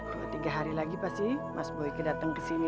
dua tiga hari lagi pasti mas boyka datang kesini